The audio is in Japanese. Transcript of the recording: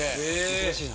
難しいな。